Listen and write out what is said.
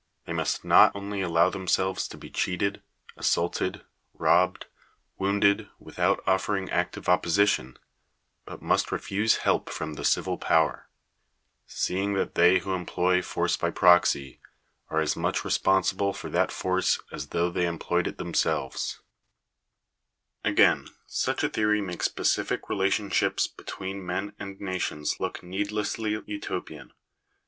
They must not only allow themselves to be cheated, assaulted, robbed, wounded, without offering active opposition, but must refuse help from the civil power ; seeing that they who employ force by proxy, are as much re sponsible for that force as though they employed it them Again, such a theory makes pacific relationships between men and nations look needlessly Utopian..